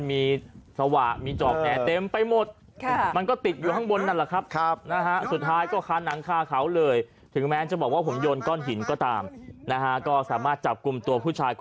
มีกี่เมตรยาข้างในอ่ะบอกมั้ย